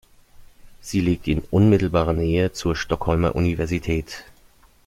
Sie liegt in unmittelbarer Nähe zur Stockholmer Universität.